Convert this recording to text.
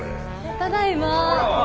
ただいま。